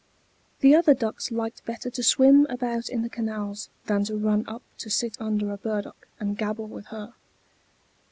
The other ducks liked better to swim about in the canals than to run up to sit under a burdock and gabble with her.